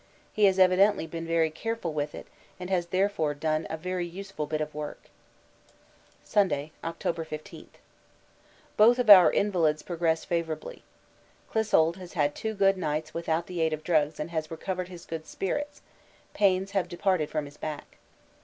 He has evidently been very careful with it and has therefore done a very useful bit of work. Sunday, October 15. Both of our invalids progress favourably. Clissold has had two good nights without the aid of drugs and has recovered his good spirits; pains have departed from his back.